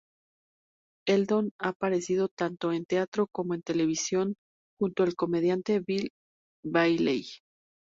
Eldon ha aparecido tanto en teatro como en televisión junto al comediante Bill Bailey.